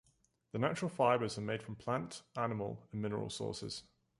The natural fibers are made from plant, animal and mineral sources.